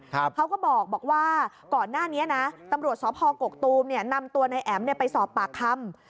เขาก็บอกว่าก่อนหน้านี้นะตำรวจสพกกตูมเนี่ยนำตัวนายแอ๋มไปสอบปากคำ